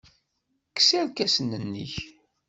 Kkes irkasen-nnek.